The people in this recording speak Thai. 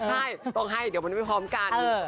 ใช่ต้องให้เดี๋ยวมันไม่พร้อมกัน